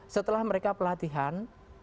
setelah mereka pelatihan